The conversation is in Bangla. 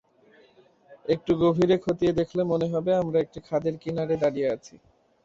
একটু গভীরে খতিয়ে দেখলে মনে হবে, আমরা একটি খাদের কিনারে দাঁড়িয়ে আছি।